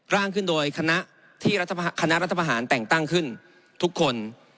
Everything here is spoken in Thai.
ร่างขึ้นโดยคณะรัฐธรรมนูนแต่งตั้งขึ้นทุกคน